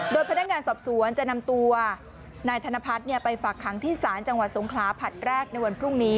โดยพนักงานสอบสวนจะนำตัวนายธนพัฒน์ไปฝากขังที่ศาลจังหวัดสงขลาผลัดแรกในวันพรุ่งนี้